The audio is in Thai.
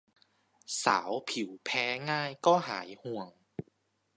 สาวผิวแพ้ง่ายก็หายห่วง